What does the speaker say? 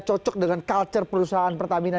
cocok dengan culture perusahaan pertamina